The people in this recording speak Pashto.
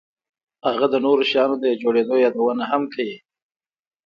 هغه د نورو شیانو د جوړېدو یادونه هم کوي